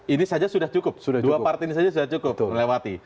ini saja sudah cukup dua part ini saja sudah cukup melewati